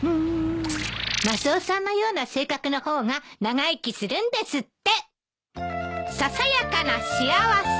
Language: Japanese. マスオさんのような性格の方が長生きするんですって。